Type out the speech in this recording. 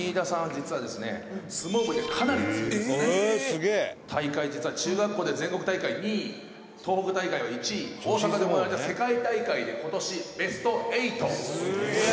「相撲部でかなり強い」「大会実は中学校で全国大会２位東北大会は１位大阪で行われた世界大会で今年ベスト８」「」